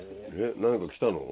何か来たの？